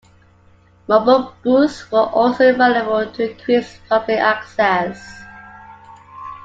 Mobile booths were also available to increase public access.